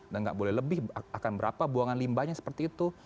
dan nggak boleh lebih akan berapa buangan limbahnya seperti itu